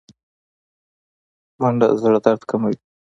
منډه د زړه درد کموي